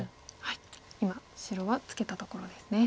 今白はツケたところですね。